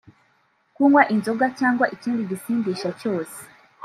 Kunywa inzoga cyangwa ikindi gisindisha cyose